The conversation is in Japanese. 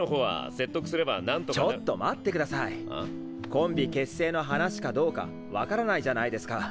コンビ結成の話かどうか分からないじゃないですか？